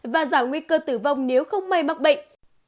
và giảm nguy cơ tử vong nếu không may mắc bệnh